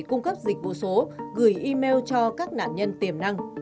cung cấp dịch vụ số gửi email cho các nạn nhân tiềm năng